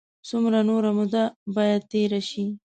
څومره نوره موده باید تېره شي.